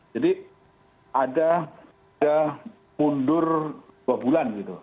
jadi ada mundur dua bulan gitu